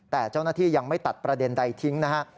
แต่เจ้าหน้าที่ยังไม่ตัดประเด็นใดทิ้งนะฮะ